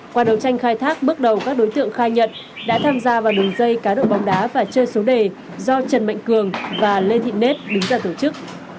qua đầu tranh khai thác bước đầu các đối tượng khai nhận đã tham gia vào đường dây cá độ bóng đá và chơi số đề do trần mạnh cường và lê thị net đứng ra tổ chức